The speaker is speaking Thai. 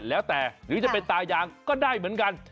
แล้วแต่หรือจะเป็นตายางก็ได้เหมือนกัน